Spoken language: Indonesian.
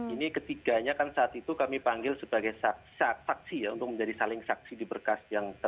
ini ketiganya kan saat itu kami panggil sebagai saksi ya